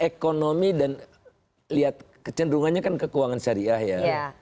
ekonomi dan lihat kecenderungannya kan ke keuangan syariah ya